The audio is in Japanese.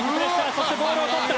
そしてボールを取った。